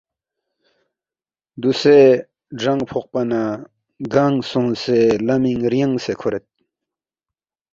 دوسے گرانگ فوقپانا گنگ سونگسے لمینگ ریانگسے کھورید